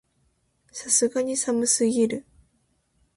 さすがに寒すぎる